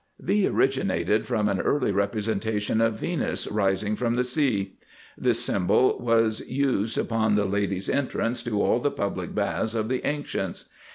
V [Illustration: V] originated from an early representation of Venus rising from the sea. This symbol was used upon the "Ladies' Entrance" to all the public baths of the ancients.